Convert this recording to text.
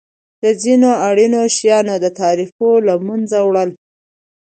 د ځینو اړینو شیانو د تعرفو له مینځه وړل.